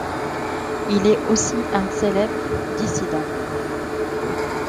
Il est aussi un célèbre dissident.